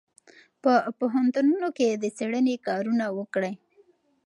په پوهنتونونو کې د څېړنې کارونه وکړئ.